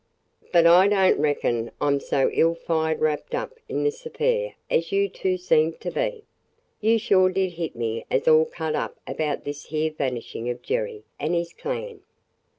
But I don't reckon I 'm so all fired wrapped up in this affair as you two seem to be! You sure did hit me as all cut up about this here vanishin' of Jerry an' his clan!"